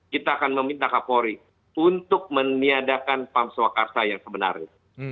kita akan meminta kapolri untuk meniadakan pam swakarta yang sebenarnya